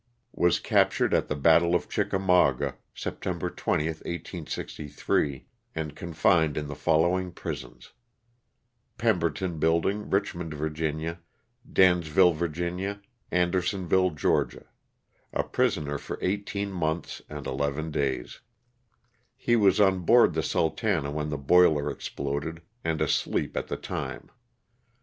Was captured at the battle of Chickamauga, September 20, 1863, and confined in the following prisons; Pem berton building, Richmond, Va. ; Dansville, Va. ; And ersonville, Ga ,— a prisoner for eighteen months and eleven days. He was on board the ''Sultana" when the boiler exploded, and asleep at the time.